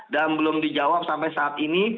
dan belum dijawab sampai saat ini